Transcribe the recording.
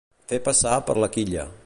Fer passar per la quilla.